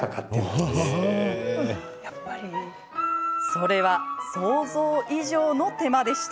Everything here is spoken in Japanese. それは想像以上の手間でした。